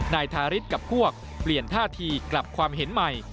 นายทาริสกับพวกเปลี่ยนท่าทีกลับความเห็นใหม่